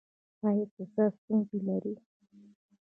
ایا اقتصادي ستونزې لرئ؟